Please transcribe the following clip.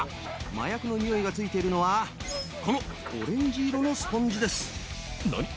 麻薬のニオイがついているのはこのオレンジ色のスポンジです。